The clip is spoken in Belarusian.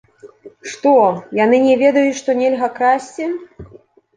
Што, яны не ведаюць, што нельга красці?